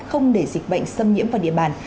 không để dịch bệnh xâm nhiễm vào địa bàn